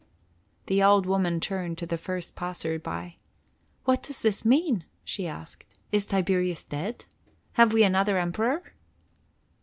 The old woman turned to the first passer by. "What does this mean?" she asked. "Is Tiberius dead? Have we another Emperor?"